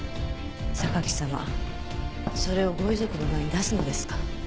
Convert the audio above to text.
榊様それをご遺族の前に出すのですか？